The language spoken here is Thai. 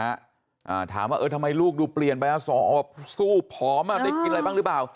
อ่าถามว่าเออทำไมลูกดูเปลี่ยนไปแล้วสอสู้ผอมอ่ะได้กินอะไรบ้างหรือเปล่า